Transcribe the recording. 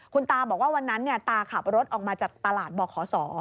คุณตาบอกว่าวันนั้นตาขับรถออกมาจากตลาดบขศ